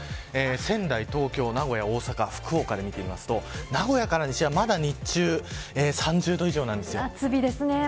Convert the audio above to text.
仙台、東京、名古屋、大阪福岡で見てみると名古屋から西はまだ日中３０度以上なんです。